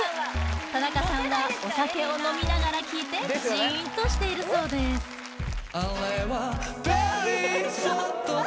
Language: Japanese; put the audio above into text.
田中さんはお酒を飲みながら聴いてジーンとしているそうです・何だっけ？